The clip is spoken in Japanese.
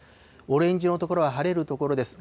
オレンジ色の所は晴れる所です。